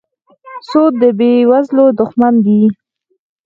سود د بېوزلو دښمن دی.